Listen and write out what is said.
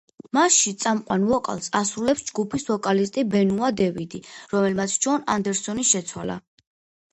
მასში წამყვან ვოკალს ასრულებს ჯგუფის ვოკალისტი ბენუა დევიდი, რომელმაც ჯონ ანდერსონი შეცვალა.